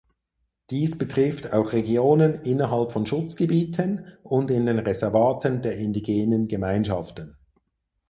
Dies betrifft auch Regionen innerhalb von Schutzgebieten und in den Reservaten der indigenen Gemeinschaften.